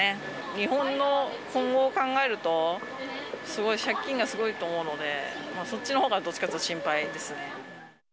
日本の今後を考えると、すごい借金がすごいと思うので、そっちのほうが、どっちかというと心配ですね。